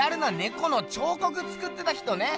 この彫刻つくってた人ね！